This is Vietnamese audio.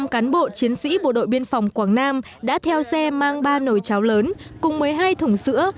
một trăm linh cán bộ chiến sĩ bộ đội biên phòng quảng nam đã theo xe mang ba nồi cháo lớn cùng một mươi hai thùng sữa